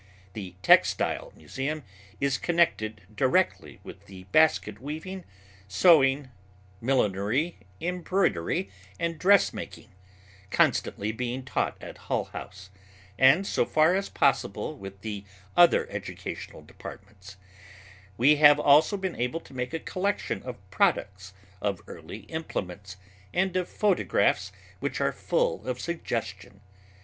The textile museum is connected directly with the basket weaving, sewing, millinery, embroidery, and dressmaking constantly being taught at Hull House, and so far as possible with the other educational departments; we have also been able to make a collection of products, of early implements, and of photographs which are full of suggestion.